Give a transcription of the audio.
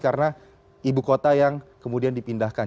karena ibu kota yang kemudian dipindahkan